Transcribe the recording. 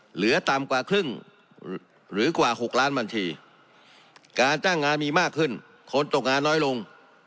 เหลือต่ำกว่าครึ่งหรือกว่า๖ล้านบัญชีการจ้างงานมีมากขึ้นคนตกงานน้อยลง